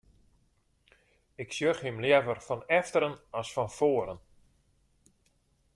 Ik sjoch him leaver fan efteren as fan foaren.